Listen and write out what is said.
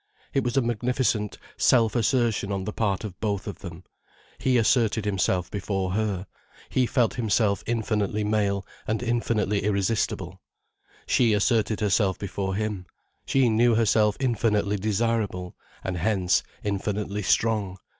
It was a magnificent self assertion on the part of both of them, he asserted himself before her, he felt himself infinitely male and infinitely irresistible, she asserted herself before him, she knew herself infinitely desirable, and hence infinitely strong.